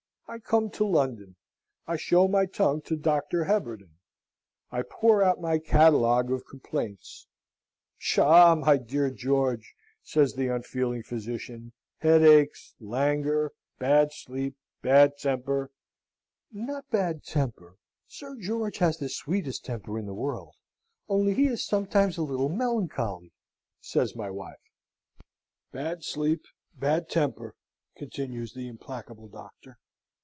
I come to London. I show my tongue to Dr. Heberden. I pour out my catalogue of complaints. "Psha, my dear Sir George!" says the unfeeling physician. "Headaches, languor, bad sleep, bad temper " ("Not bad temper: Sir George has the sweetest temper in the world, only he is sometimes a little melancholy," says my wife.) " Bad sleep, bad temper," continues the implacable doctor.